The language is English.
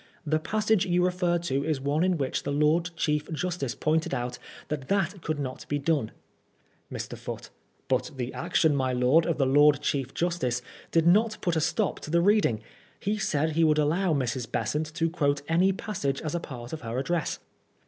The passage you referred to is one in which the Lord Chief Justice pointed out that that could not be done. Mr. Foote : But the action, my lord, of the Lord Chief Justice did not put a stop to the reading. He said he would allow Mrs. Besant to quote any passage as a part of her address.